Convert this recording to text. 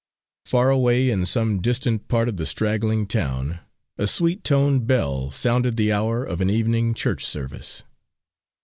Far away, in some distant part of the straggling town, a sweet toned bell sounded the hour of an evening church service.